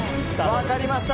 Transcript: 分かりました。